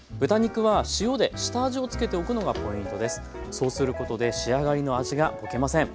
そうすることで仕上がりの味がぼけません。